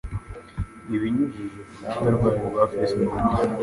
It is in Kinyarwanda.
Ibinyujije ku rukuta rwayo rwa Facebook,